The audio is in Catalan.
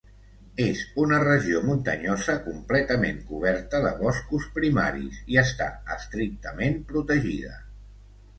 És una regió muntanyosa completament coberta de boscos primaris, i està estrictament protegida.